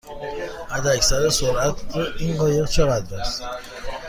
حداکثر سرعت این قایق چقدر است؟